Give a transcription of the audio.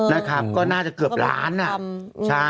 เออครับน่าจะเกือบล้านอะ